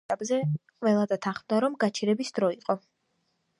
ამ ეტაპზე ყველა დათანხმდა, რომ უკვე გაჩერების დრო იყო.